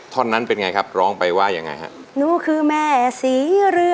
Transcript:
ท่อนั้นเป็นยังไงครับร้องไปว่ายังไงครับ